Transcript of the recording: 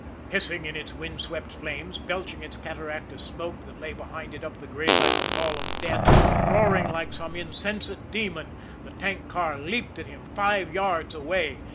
Hissing in its wind swept flames, belching its cataract of smoke that lay behind it up the grade like a pall of death, roaring like some insensate demon, the tank car leaped at him five yards away.